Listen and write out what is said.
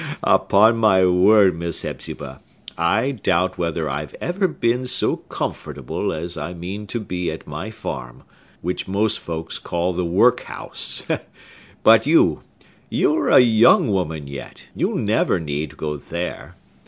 Upon my word, Miss Hepzibah, I doubt whether I've ever been so comfortable as I mean to be at my farm, which most folks call the workhouse. But you,—you're a young woman yet,—you never need go there!